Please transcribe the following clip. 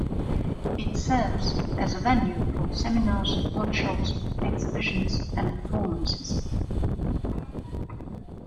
It serves as a venue for seminars, workshops, exhibitions and performances.